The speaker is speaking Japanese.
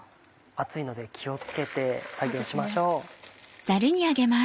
熱いので気を付けて作業しましょう。